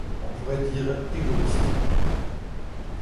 On pourrait dire “ égoïste ”.